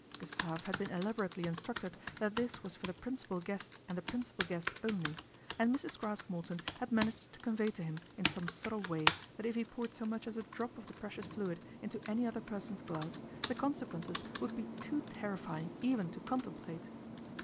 Gustave had been elaborately instruc ted that this was for the principal guest and the principal guest only, and Mrs. Craske Morton had managed to convey to him in some subtle way that if he poured so much as a drop of the precious fluid into any other person's glass, the consequences would be too terrifying even to contemplate.